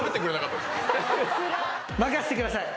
任せてください。